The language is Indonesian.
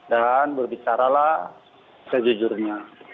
dan berbicara lah sejujurnya